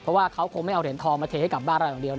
เพราะว่าเขาคงไม่เอาเหรียญทองมาเทให้กับบ้านเราอย่างเดียว